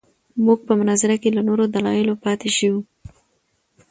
موږ په مناظره کې له نورو دلایلو پاتې شوو.